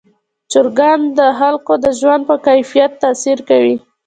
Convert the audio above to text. چرګان د خلکو د ژوند په کیفیت تاثیر کوي.